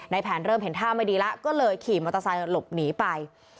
แผนเริ่มเห็นท่าไม่ดีแล้วก็เลยขี่มอเตอร์ไซค์หลบหนีไป